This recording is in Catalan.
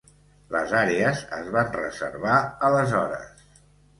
Les àrees es van reservar aleshores.